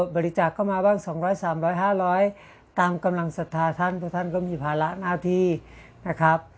บริจาคเข้ามาบ้าง๒๐๐๓๐๐๕๐๐ตามกำลังศรัทธาท่านเพราะท่านก็มีภาระหน้าที่นะครับ